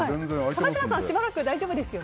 高嶋さん、しばらく大丈夫ですよ。